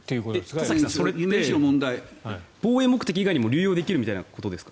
田崎さんそれはむしろ問題で防衛目的以外にも流用できるということですか？